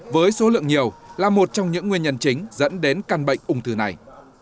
với số lượng nhiều là một trong những nguyên nhân chính dẫn đến căn bệnh ung thư này